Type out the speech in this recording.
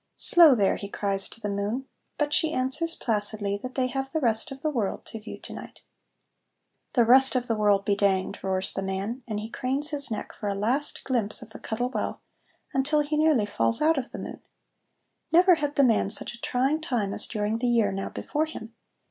"Slow, there!" he cries to the moon, but she answers placidly that they have the rest of the world to view to night. "The rest of the world be danged!" roars the man, and he cranes his neck for a last glimpse of the Cuttle Well, until he nearly falls out of the moon. Never had the man such a trying time as during the year now before him.